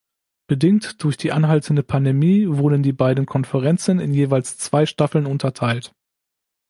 Bedingt durch die anhaltende Pandemie wurden die beiden Konferenzen in jeweils zwei Staffeln unterteilt.